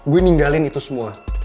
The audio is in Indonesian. gue ninggalin itu semua